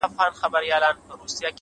هڅاند انسان انتظار نه خوښوي؛